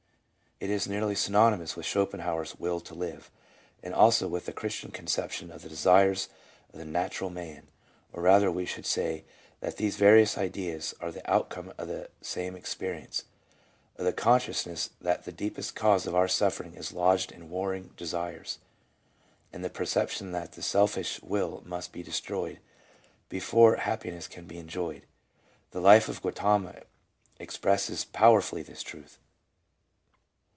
It is nearly synonymous with Schopenhauer's " will to live," and also with the Christian conception of the desires of the " Natural Man," or rather we should say that these various ideas are the outcome of the same experience : of the consciousness that the deepest cause of our suffering is lodged in warring de sires, and the perception that the selfish will must be de stroyed before happiness can be enjoyed. The life of Gautama expresses powerfully this truth.